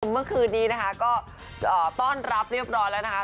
เมื่อคืนนี้นะคะก็ต้อนรับเรียบร้อยแล้วนะคะ